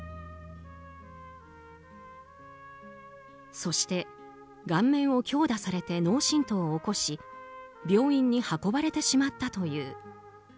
そして、顔面を強打されて脳しんとうを起こし病院に運ばれてしまったという。